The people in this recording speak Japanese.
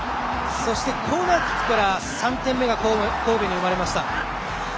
コーナーキックから３点目が神戸に生まれました。